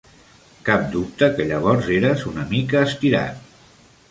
Cap dubte que llavors eres una mica estirat.